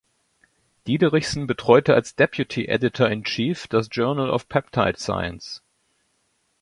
Diederichsen betreute als Deputy Editor in Chief das Journal of Peptide Science.